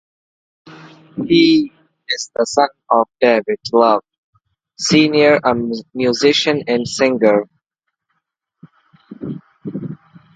He is the son of David Love, Senior a musician and singer.